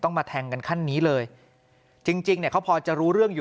มาแทงกันขั้นนี้เลยจริงจริงเนี่ยเขาพอจะรู้เรื่องอยู่